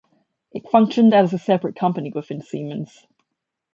It functioned as a separate company within Siemens.